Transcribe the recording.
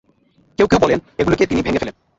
কেউ কেউ বলেন, এগুলোকে তিনি ভেঙ্গে ফেলেন।